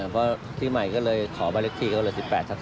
เพราะที่ใหม่ก็เลยขอแบล็กที่ก็เลย๑๘ทับ๑๘